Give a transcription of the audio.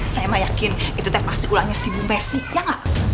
saya mah yakin itu teh pasti kulanya si bu messi ya gak